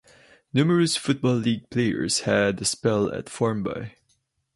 Numerous Football League players had a spell at Formby.